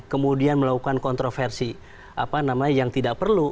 kemudian melakukan kontroversi yang tidak perlu